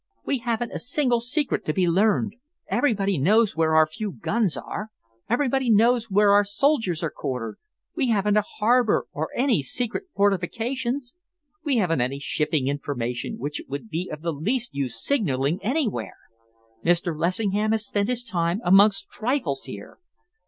We haven't a single secret to be learned. Everybody knows where our few guns are. Everybody knows where our soldiers are quartered. We haven't a harbour or any secret fortifications. We haven't any shipping information which it would be of the least use signalling anywhere. Mr. Lessingham has spent his time amongst trifles here.